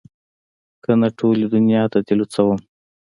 که نه ټولې دونيا ته دې لوڅوم.